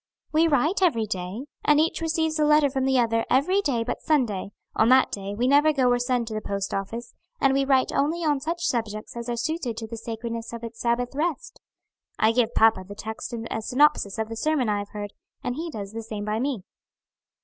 "We write every day, and each receives a letter from the other every day but Sunday; on that day we never go or send to the post office; and we write only on such subjects as are suited to the sacredness of its Sabbath rest. I give papa the text and a synopsis of the sermon I have heard, and he does the same by me."